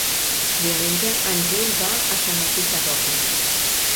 Diumenge en Gil va a Sant Martí Sarroca.